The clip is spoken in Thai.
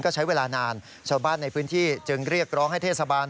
ก็ใช้เวลานานชาวบ้านในพื้นที่จึงเรียกร้องให้เทศบาล